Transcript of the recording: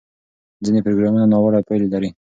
ځینې پروګرامونه ناوړه پایلې لري.